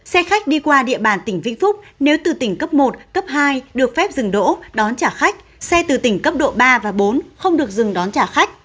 xe khách đi qua địa bàn tỉnh vĩnh phúc nếu từ tỉnh cấp một cấp hai được phép dừng đỗ đón trả khách xe từ tỉnh cấp độ ba và bốn không được dừng đón trả khách